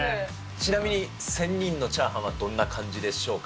ちなみに仙人のチャーハンはどんな感じでしょうか。